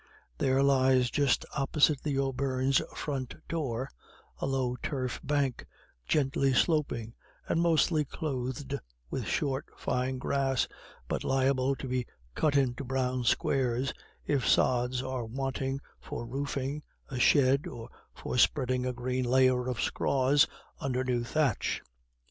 There lies just opposite the O'Beirnes' front door a low turf bank, gently sloping, and mostly clothed with short, fine grass, but liable to be cut into brown squares, if sods are wanted for roofing a shed, or for spreading a green layer of scraws under new thatch.